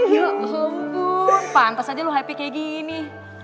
ya ampun pantes aja lo happy kayak gini